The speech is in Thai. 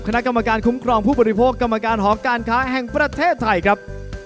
คณะกรรมการคุ้มครองผู้บริโภคกรรมการหอการค้าแห่งประเทศไทยครับ